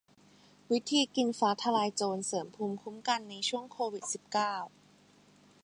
วิธีกินฟ้าทะลายโจรเสริมภูมิคุ้มกันในช่วงโควิด สิบเก้า